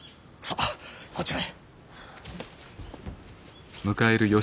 さあこちらへ。